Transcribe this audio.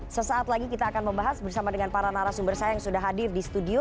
sesaat lagi kita akan membahas bersama dengan para narasumber saya yang sudah hadir di studio